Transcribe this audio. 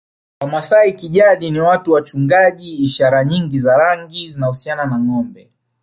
Wamasai kijadi ni watu wachungaji ishara nyingi za rangi zinahusiana na ngombe